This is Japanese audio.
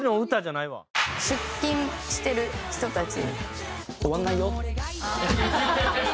出勤してる人たち。